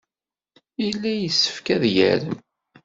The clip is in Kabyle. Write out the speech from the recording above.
Yella yessefk ad yarem.